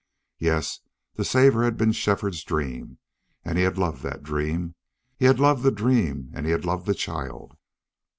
Yes, to save her had been Shefford's dream, and he had loved that dream. He had loved the dream and he had loved the child.